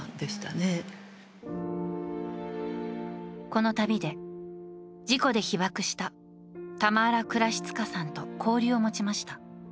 この旅で、事故で被ばくしたタマーラ・クラシツカさんと交流しました。